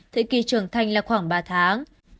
thời kỳ trưởng thành là khoảng ba tháng